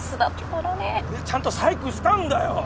俺はちゃんと細工したんだよ！